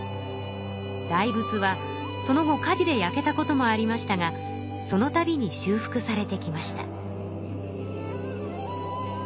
大仏はその後火事で焼けたこともありましたがそのたびに修復されてきました。